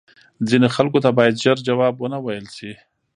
ځینو خلکو ته باید زر جواب وه نه ویل شې